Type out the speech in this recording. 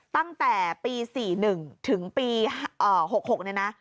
ตั้งแต่ปี๔๑ถึงปี๖๖เนี่ยนะ